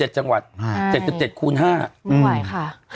จังหวัด๗๗คูณ๕ไม่ไหวค่ะ